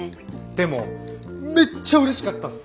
でもめっちゃうれしかったっす。